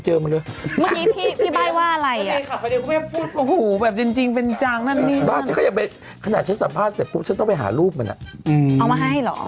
ตอบเลยนะตกลงผู้ชายของพี่มดคือใครคะ